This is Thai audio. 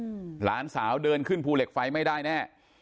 หลานสาวเดินขึ้นภูเหล็กไฟไม่ได้แน่